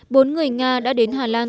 bốn người nga đã đến hà lan